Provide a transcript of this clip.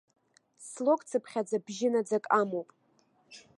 Слог цыԥхьаӡа бжьынаӡак амоуп.